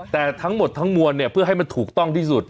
แต่ทั้งหมดทั้งมวลเนี่ยเพื่อให้มันถูกต้องที่สุด